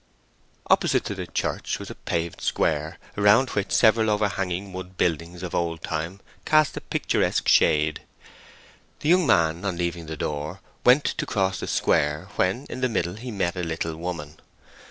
Opposite to the church was a paved square, around which several overhanging wood buildings of old time cast a picturesque shade. The young man on leaving the door went to cross the square, when, in the middle, he met a little woman.